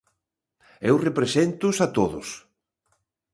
Eu represéntoos a todos.